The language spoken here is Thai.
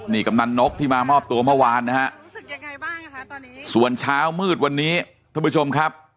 นี่กำนันนกที่มามอบตัวเมื่อวานนะฮะส่วนเช้ามืดวันนี้ทุกผู้ชมครับ